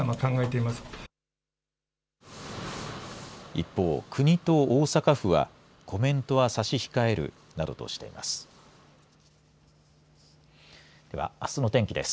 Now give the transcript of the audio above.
一方、国と大阪府はコメントは差し控えるなどとしています。